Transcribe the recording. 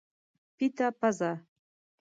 پیته پزه